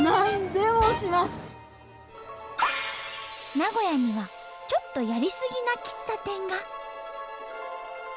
名古屋にはちょっとやりすぎな喫茶店が。